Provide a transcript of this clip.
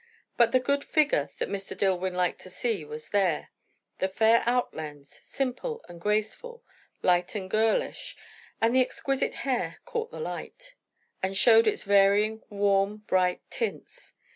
But the good figure that Mr. Dillwyn liked to see was there; the fair outlines, simple and graceful, light and girlish; and the exquisite hair caught the light, and showed its varying, warm, bright tints.